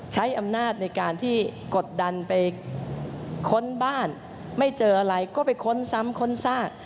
ใช้อำนาจในการที่กดดันไปค้นบ้านไม่เจออะไรก็ไปค้นซ้ำค้นซาก